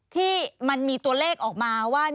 ที่มันมีตัวเลขออกมาว่า